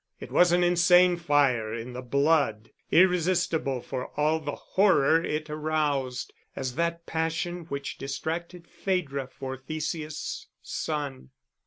It was an insane fire in the blood, irresistible for all the horror it aroused, as that passion which distracted Phædra for Theseus' son.